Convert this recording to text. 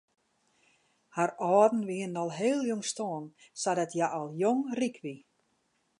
Har âlden wiene al hiel jong stoarn sadat hja al jong ryk wie.